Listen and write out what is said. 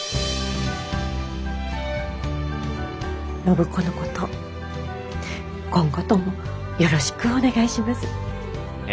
暢子のこと今後ともよろしくお願いします。